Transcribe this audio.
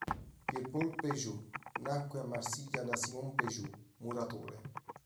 Pierre Paul Puget nacque a Marsiglia da Simon Puget, muratore.